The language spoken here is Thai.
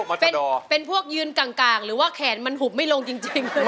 อันนี้เป็นพวกยืนกางกหรือแขนหุบไม่ลงจริง